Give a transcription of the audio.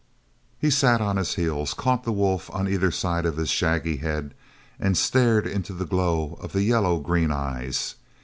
He sat on his heels, caught the wolf on either side of the shaggy head, and stared into the glow of the yellow green eyes.